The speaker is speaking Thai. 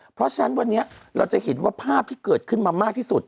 เพราะฉะนั้นวันนี้เราจะเห็นว่าภาพที่เกิดขึ้นมามากที่สุด